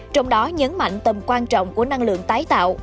trong đó nhấn mạnh tầm quan trọng của năng lượng tái tạo